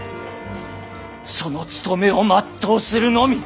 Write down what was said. その務めを全うするのみ！